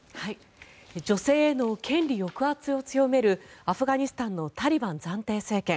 女性への権利抑圧を強めるアフガニスタンのタリバン暫定政権。